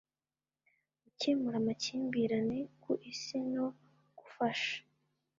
gukemura amakimbirane ku isi no gufasha